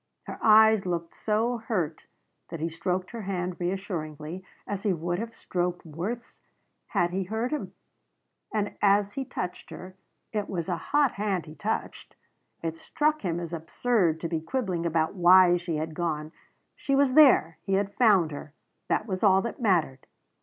Her eyes looked so hurt that he stroked her hand reassuringly, as he would have stroked Worth's had he hurt him. And as he touched her it was a hot hand he touched it struck him as absurd to be quibbling about why she had gone. She was there. He had found her. That was all that mattered.